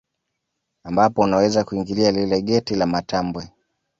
Ambapo unaweza kuingilia lile geti la matambwe